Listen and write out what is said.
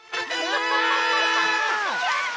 やった！